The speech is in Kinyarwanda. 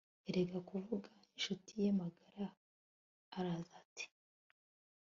areka kuvuga. inshuti ye magara araza ati